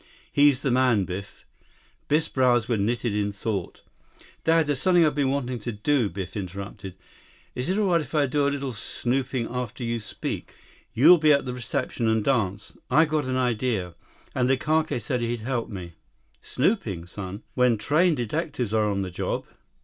"He's the man, Biff." Biff's brows were knitted in thought. "Dad, there's something I've been wanting to do," Biff interrupted. "Is it all right if I do a little snooping after you speak? You'll be at the reception and dance. I've got an idea. And Likake said he'd help me." "Snooping, son? When trained detectives are on the job?